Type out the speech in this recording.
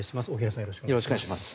よろしくお願いします。